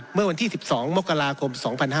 เมื่อวันที่๑๒มกราคม๒๕๕๙